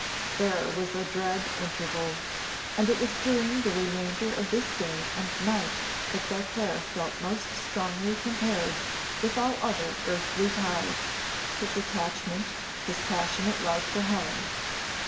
There was a dread interval. And it was during the remainder of this day and night that Beauclerc felt most strongly compared with all other earthly ties, his attachment, his passionate love for Helen.